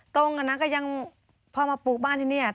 ตรงนั้นก็ยังพอมาปลูกบ้านที่นี่